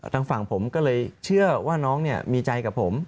ทางฝั่งผมก็เลยเชื่อว่าน้องมีใจกับผม